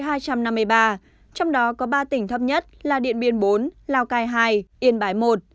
trong đó có ba tỉnh thấp nhất là điện biên bốn lào cai hai yên bái một